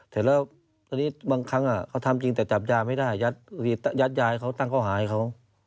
แต่แล้วบางครั้งเขาทำจริงแต่จับยาไม่ได้ยัดยาให้เขาตั้งเขาหาให้เขา